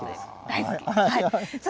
大好き。